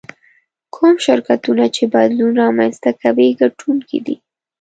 کوم شرکتونه چې بدلون رامنځته کوي ګټونکي دي.